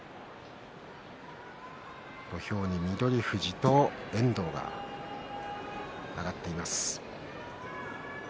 土俵に翠富士と遠藤が上がっています。